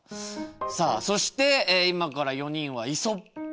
さあそして今から４人は「イソップ」